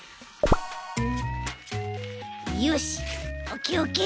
よしオッケーオッケー！